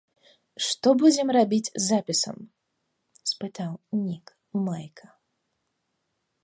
Што будзем рабіць з запісам?